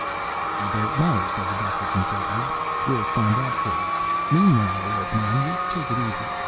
"I don't know," said the doctor contritely. "We'll find out for you. Meanwhile, old man, you take it easy.